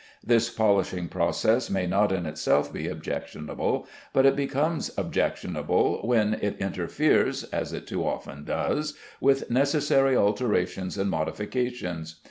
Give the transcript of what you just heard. This polishing process may not in itself be objectionable, but it becomes objectionable when it interferes (as it too often does) with necessary alterations and modifications.